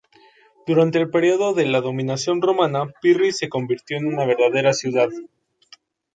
Durante el período de la dominación romana, Pirri se convirtió en una verdadera ciudad.